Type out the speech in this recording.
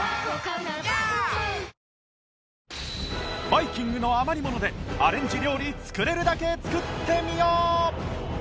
バイキングの余り物でアレンジ料理作れるだけ作ってみよう！